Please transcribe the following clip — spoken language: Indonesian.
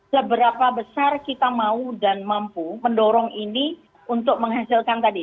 seberapa besar kita mau dan mampu mendorong ini untuk menghasilkan tadi